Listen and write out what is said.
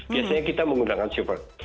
biasanya kita menggunakan sievert